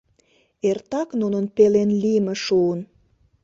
Эртак нунын пелен лийме шуын.